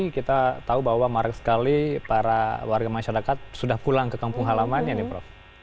kita tahu bahwa marak sekali para warga masyarakat sudah pulang ke kampung halamannya nih prof